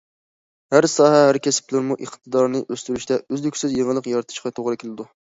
ھەر ساھە، ھەر كەسىپلەرمۇ ئىقتىدارىنى ئۆستۈرۈشتە ئۈزلۈكسىز يېڭىلىق يارىتىشقا توغرا كېلىدۇ.